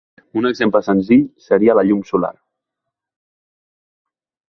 Un exemple senzill seria la llum solar.